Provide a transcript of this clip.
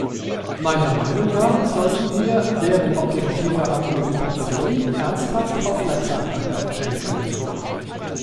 Meiner Meinung nach sollten wir deren objektiver Argumentation ernsthaft Aufmerksamkeit schenken.